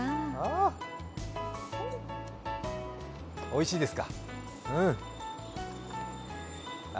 おいしいです！